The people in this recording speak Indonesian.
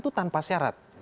itu tanpa syarat